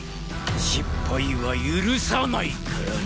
失敗は許さないからね！